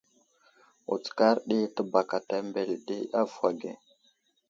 Wutskar ɗi təbakata mbele ɗi avohw age.